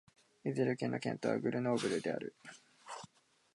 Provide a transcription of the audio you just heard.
イゼール県の県都はグルノーブルである